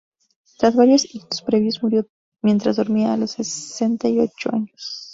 Tras varios ictus previos, murió mientras dormía a los sesenta y ocho años.